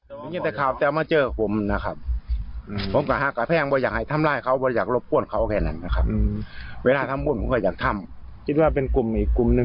อันนี้พ่ออยากให้ทำยังไงอยากให้เอามาคืน